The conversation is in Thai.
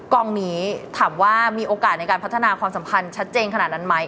กองนี้ถามว่ามีโอกาสในการพัฒนาความสัมพันธ์ชัดเจนขนาดนั้นไหม